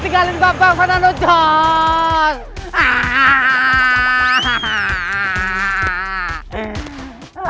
jangan tinggalin bapak padan ujong